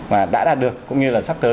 mà đã đạt được cũng như là sắp tới